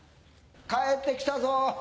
帰ってきたぞ。